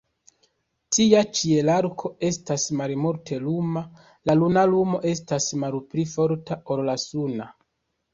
Tia ĉielarko estas malmulte luma, la luna lumo estas malpli forta ol la suna.